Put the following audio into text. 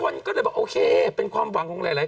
คนก็เลยบอกโอเคเป็นความหวังของหลาย